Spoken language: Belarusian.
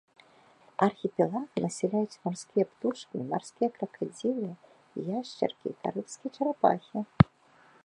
Архіпелаг насяляюць марскія птушкі, марскія кракадзілы, яшчаркі, карыбскія чарапахі.